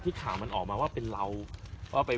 กินข้าวได้พูดได้กำอาฬานีอย่างคนทั่วไป